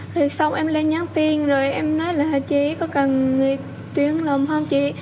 rồi sau em lên nhắn tiền rồi em nói là chị có cần người tuyến lùm không chị